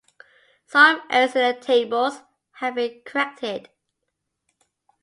Some errors in the tables have been corrected.